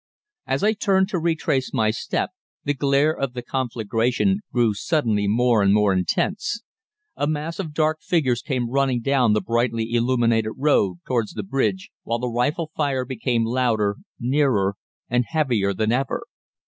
As I turned to retrace my step the glare of the conflagration grew suddenly more and more intense. A mass of dark figures came running down the brightly illuminated road towards the bridge, while the rifle fire became louder, nearer, and heavier than ever.